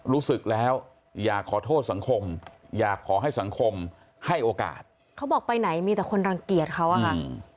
รู้สึกแล้วอยากขอโทษสังคมอยากขอให้สังคมให้โอกาสเขาบอกไปไหนมีแต่คนรังเกียจเขาอะค่ะ